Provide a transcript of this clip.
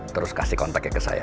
terus kasih kontaknya ke saya